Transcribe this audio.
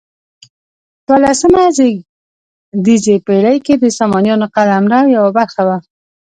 په لسمه زېږدیزې پیړۍ کې د سامانیانو قلمرو یوه برخه وه.